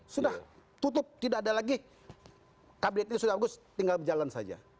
sudah tutup tidak ada lagi kabinetnya sudah bagus tinggal jalan saja